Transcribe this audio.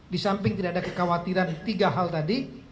disamping tidak ada kekhawatiran tiga hal tadi